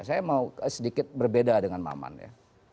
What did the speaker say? saya mau sedikit berbeda dengan maman ya